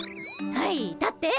はい立って！